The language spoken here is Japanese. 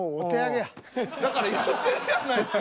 だから言うてるやないですか。